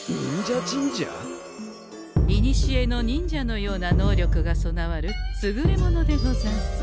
いにしえの忍者のような能力が備わるすぐれものでござんす。